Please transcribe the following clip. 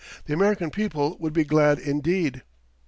"The American people would be glad indeed."